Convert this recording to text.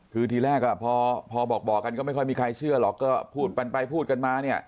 คือทีแรกพอบอกกันก็ไม่ค่อยมีใครเชื่อหรอกก็พูดกันไปพูดกันมาเนี่ย